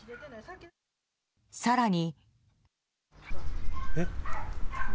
更に。